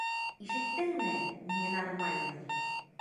Ишеттеңме, ненормальный!